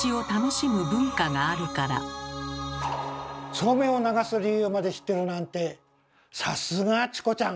そうめんを流す理由まで知ってるなんてさすがチコちゃん。